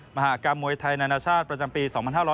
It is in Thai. มหากรรมมวยไทยนานาชาติประจำปี๒๕๖๐